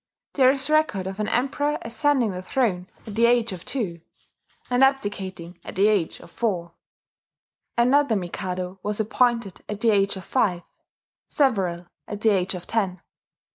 There is record of an Emperor ascending the throne at the age of two, and abdicating at the age of four; another Mikado was appointed at the age of five; several at the age of ten.